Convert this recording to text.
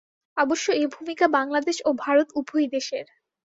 অবশ্য এ ভূমিকা বাংলাদেশ ও ভারত উভয় দেশের।